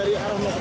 dari arah lebat